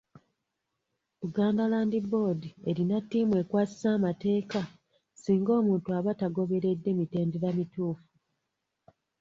Buganda Land Board erina ttiimu ekwasisa amateeka singa omuntu aba tagoberedde mitendera mituufu.